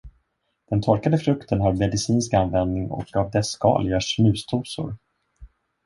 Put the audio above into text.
Den torkade frukten har medicinsk användning, och av dess skal görs snusdosor.